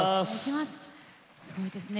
すごいですね